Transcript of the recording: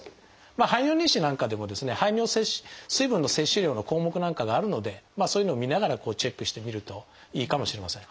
排尿日誌なんかでも水分の摂取量の項目なんかがあるのでそういうのを見ながらチェックしてみるといいかもしれません。